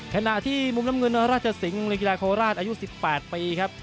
ขณะที่มุมน้ำเงินราชสิงห์ในกีฬาโคราชอายุ๑๘ปีครับ